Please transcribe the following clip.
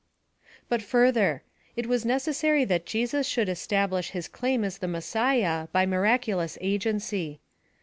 But further : It was necessary that Jesus should establish his claim as the Messiah, by miraculous agency.